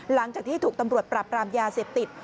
หลังจากที่ถูกตำรวจปรับปรามยาเสพติด